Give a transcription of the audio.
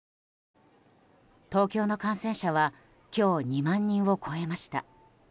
東京の感染者は今日２万人を超えました。